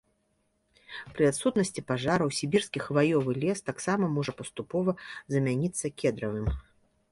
Пры адсутнасці пажараў сібірскі хваёвы лес таксама можа паступова замяніцца кедравым.